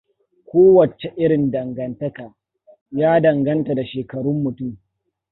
Kowacce irin dangantaka, ya danganta da shekarun mutum.